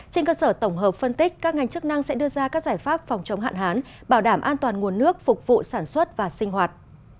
trên cơ sở tổng hợp phân tích các ngành chức năng sẽ đưa ra các giải pháp phòng chống hạn hán bảo đảm an toàn nguồn nước phục vụ sản xuất và sinh hoạt